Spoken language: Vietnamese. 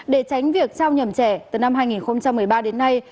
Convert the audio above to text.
để tránh việc trao nhầm trẻ từ năm hai nghìn một mươi ba đến nay